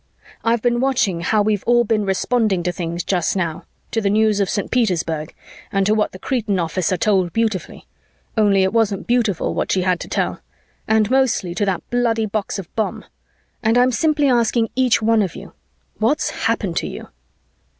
I've been watching how we've all been responding to things just now, to the news of Saint Petersburg and to what the Cretan officer told beautifully only it wasn't beautiful what she had to tell and mostly to that bloody box of bomb. And I'm simply asking each one of you, what's happened to you?"